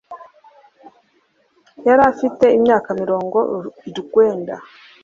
yari afite imyaka mirongo urwenda